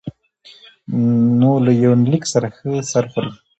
نو له يونليک سره ښه سر خوري